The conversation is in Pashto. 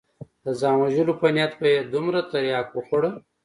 د ځان وژلو په نيت به يې دومره ترياک وخوړل.